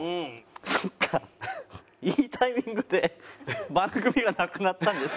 いいタイミングで番組がなくなったんですよ。